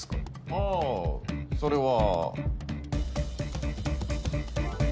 あぁそれは。